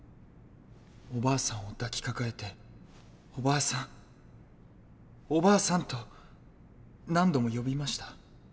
おばあさんを抱きかかえて「おばあさんおばあさん！」と何度も呼びました。